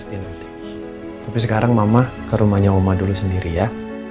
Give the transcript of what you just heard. tapi sekarang mama ke rumahnya oma dulu sendiri ya